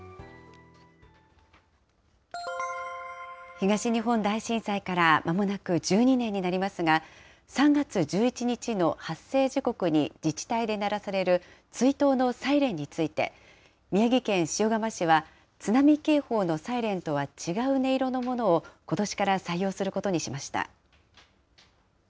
東日本大震災からまもなく１２年になりますが、３月１１日の発生時刻に自治体で鳴らされる追悼のサイレンについて、宮城県塩釜市は、津波警報のサイレンとは違う音色のものをことしから採用することにしました。